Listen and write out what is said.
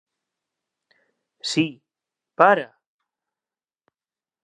Si. Para!